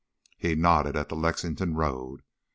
He nodded at the Lexington road.